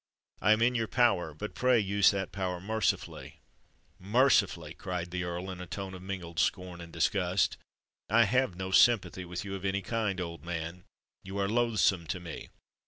I am in your power; but pray use that power mercifully." "Mercifully!" cried the Earl, in a tone of mingled scorn and disgust. "I have no sympathy with you of any kind, old man—you are loathsome to me!